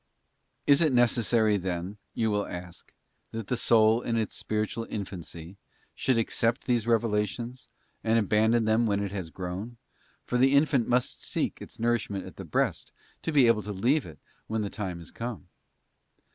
Is it necessary then, you will ask, that the soul, in its spiritual infancy, should accept these revelations, and abandon them when it has grown; for the infant must seek its nourishment at the breast to be able to leave it when the time is come?